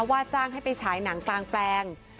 ว่าจ้างให้ไปฉายหนังกลางแปลง